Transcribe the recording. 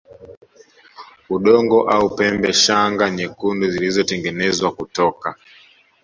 udongo au pembe Shanga nyekundu zilitengenezwa kutoka